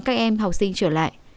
các em học sinh trở lại